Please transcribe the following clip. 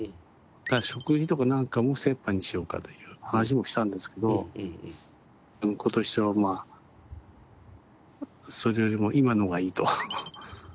だから食費とかなんかも折半にしようかという話もしたんですけど向こうとしてはそれよりも今のがいいと。